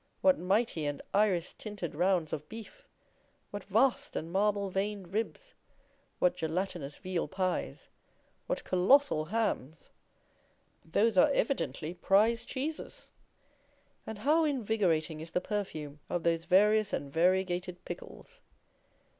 What mighty and iris tinted rounds of beef! What vast and marble veined ribs! What gelatinous veal pies! What colossal hams! Those are evidently prize cheeses! And how invigorating is the perfume of those various and variegated pickles!